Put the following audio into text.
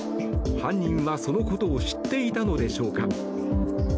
犯人はそのことを知っていたのでしょうか。